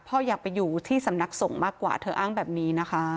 พ่ออยากไปอยู่ที่สำนักสงฆ์มากกว่าเธออ้างแบบนี้นะคะ